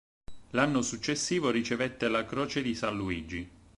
L'anno successivo ricevette la Croce di San Luigi.